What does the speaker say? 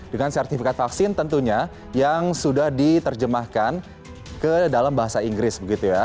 dengan sertifikat vaksin tentunya yang sudah diterjemahkan ke dalam bahasa inggris begitu ya